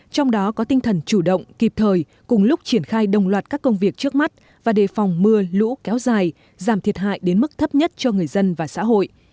trong đó có tinh thần chủ động kịp thời cùng lúc triển khai đồng loạt các công việc trước mắt và đề phòng mưa lũ kéo dài giảm thiệt hại đến mức thấp nhất cho người dân và xã hội